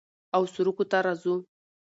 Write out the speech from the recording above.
او سروکو ته راځو